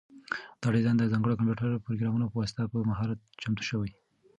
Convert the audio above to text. دا ډیزاین د ځانګړو کمپیوټري پروګرامونو په واسطه په مهارت چمتو شوی.